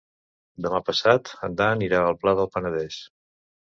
Demà passat en Dan irà al Pla del Penedès.